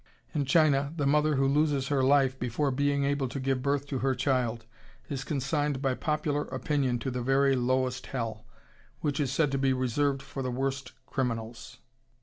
In China the mother who loses her life before being able to give birth to her child is consigned by popular opinion to the very lowest hell, which is said to be reserved for the worst criminals.